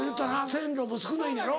線路も少ないねやろ？